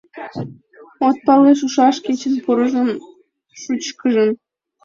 От пале шушаш кечын порыжым, шучкыжым.